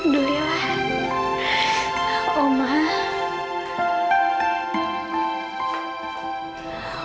bedul ya pak